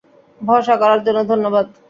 ভরসা করার জন্য ধন্যবাদ।